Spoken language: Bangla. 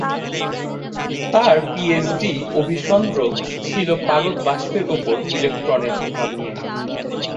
তার পিএইচডি অভিসন্দর্ভ ছিল পারদ বাষ্পের উপর ইলেকট্রনের প্রভাব নিয়ে।